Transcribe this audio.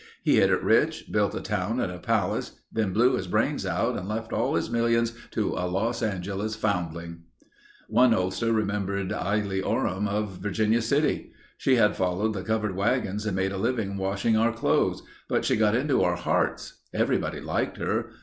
He hit it rich. Built a town and a palace. Then blew his brains out and left all his millions to a Los Angeles foundling." One oldster remembered Eilly Orrum of Virginia City. "She had followed the covered wagons and made a living washing our clothes, but she got into our hearts. Everybody liked her.